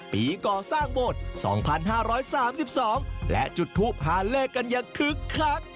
ปีก่อสร้างโบสถ์๒๕๓๒และจุดทูปหาเลขกันอย่างคึกคัก